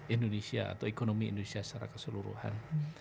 indonesia atau ekonomi indonesia secara keseluruhan